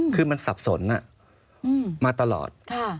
คือมันสับสนมาตลอด